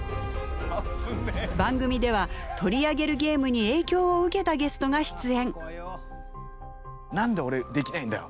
番組では取り上げるゲームに影響を受けたゲストが出演。